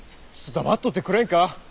黙っとってくれんか！